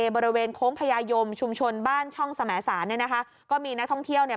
บริเวณโค้งพญายมชุมชนบ้านช่องสมสารเนี่ยนะคะก็มีนักท่องเที่ยวเนี่ย